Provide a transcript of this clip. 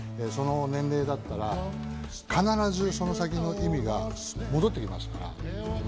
その年齢だったら、必ずその先の意味が戻ってきますから。